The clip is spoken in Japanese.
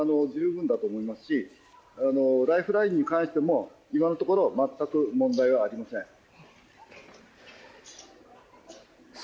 十分だと思いますしライフラインに関しても今のところは全く問題はありません。